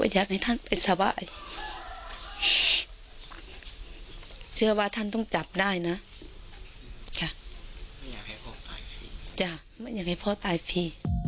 จ้ะไม่อยากให้พ่อตายพี่